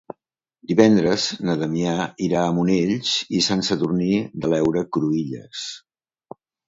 Divendres na Damià irà a Monells i Sant Sadurní de l'Heura Cruïlles.